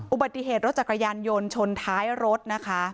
อุบัติเหตุรถจักรยานยนต์ชนท้ายรถนะคะ